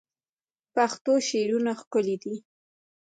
پښتو شعرونه ښکلي دي